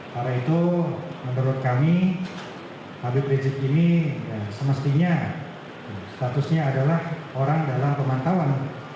karena itu menurut kami habib rizik ini semestinya statusnya adalah orang dalam pemantauan